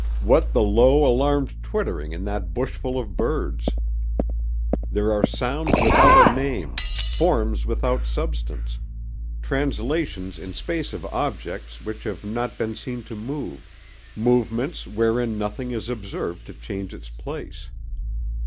—what the low, alarmed twittering in that bushful of birds? There are sounds without a name, forms without substance, translations in space of objects which have not been seen to move, movements wherein nothing is observed to change its place.